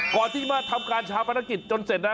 ก่อนที่มาทำการชาปนกิจจนเสร็จนะ